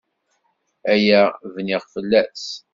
Aya bniɣ fell-as!